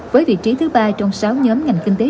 với vị trí thứ ba trong sáu nhóm ngành kinh tế